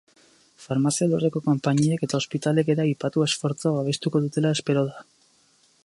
Farmazia alorreko konpainiek eta ospitalek ere aipatu esfortzua babestuko dutela espero da.